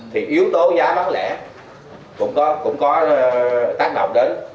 thì yếu tố giá bán lẻ cũng có tác động đến